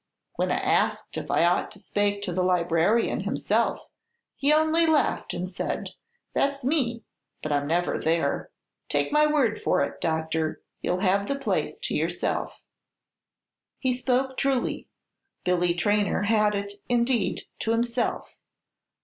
When I asked if I ought to spake to the librarian himself, he only laughed, and said, 'That's me; but I'm never there. Take my word for it, Doctor, you 'll have the place to yourself.'" He spoke truly. Billy Traynor had it, indeed, to himself.